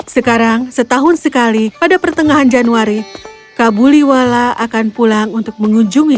sekarang setahun sekali pada pertengahan januari kabuliwala akan pulang untuk mengunjungi